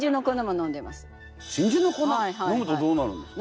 飲むとどうなるんですか？